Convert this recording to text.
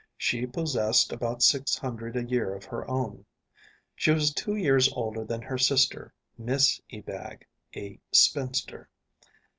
She possessed about six hundred a year of her own. She was two years older than her sister, Miss Ebag, a spinster.